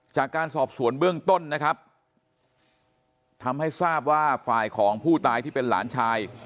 จากการสอบสวนเบื้องต้นนะครับทำให้ทราบว่าฝ่ายของผู้ตายที่เป็นหลานชาย